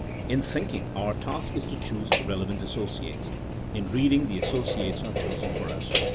In thinking our task is to choose relevant asso ciates. In reading the associates are chosen for us.